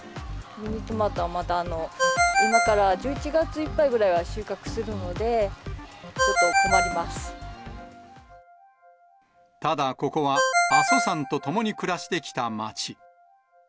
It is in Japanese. ミニトマトは今から１１月いっぱいぐらいまでは収穫するので、ただ、ここは阿蘇山と共に暮らしてきた町。